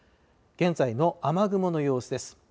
現在の雨雲の様子です。